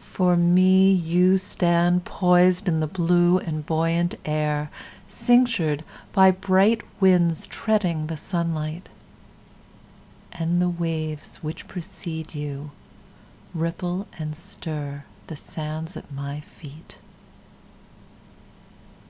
For me, You stand poisedIn the blue and buoyant air, Cinctured by bright winds, Treading the sunlight. And the waves which precede youRipple and stirThe sands at my feet.